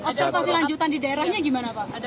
observasi lanjutan di daerahnya gimana pak